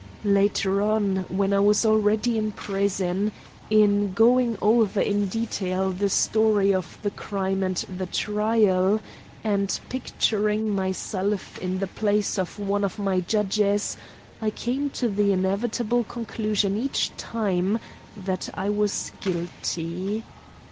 Later on, when I was already in prison, in going over in detail the story of the crime and the trial, and picturing myself in the place of one of my judges, I came to the inevitable conclusion each time that I was guilty.